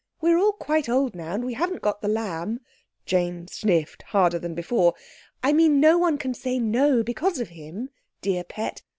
We are all quite old now, and we haven't got The Lamb—" Jane sniffed harder than before. "I mean no one can say 'No' because of him, dear pet.